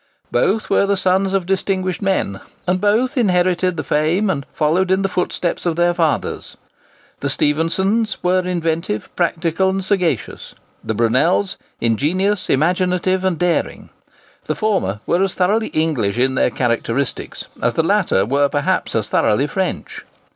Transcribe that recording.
Both were the sons of distinguished men, and both inherited the fame and followed in the footsteps of their fathers. The Stephensons were inventive, practical, and sagacious; the Brunels ingenious, imaginative, and daring. The former were as thoroughly English in their characteristics as the latter were perhaps as thoroughly French.